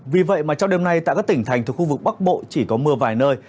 vì vậy mà trong đêm nay tại các tỉnh thành thuộc khu vực bắc bộ chỉ có mưa vài nơi